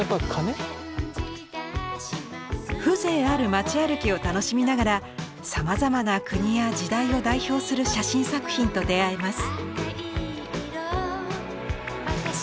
風情ある町歩きを楽しみながらさまざまな国や時代を代表する写真作品と出会えます。